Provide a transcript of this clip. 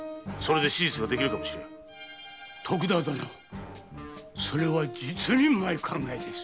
徳田殿それは実にうまい考えです。